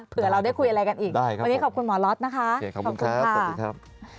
เผื่อเราได้คุยอะไรกันอีกวันนี้ขอบคุณหมอล็อตนะคะขอบคุณครับสวัสดีครับ